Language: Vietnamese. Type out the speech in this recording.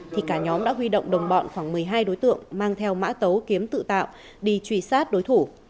thì cả nhóm đã huy động đồng bọn khoảng một mươi hai đối tượng mang theo mã tấu kiếm tự tạo đi truy sát đối thủ